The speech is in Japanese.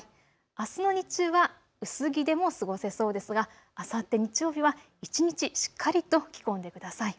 あすの日中は薄着でも過ごせそうですが、あさって日曜日は一日しっかりと着込んでください。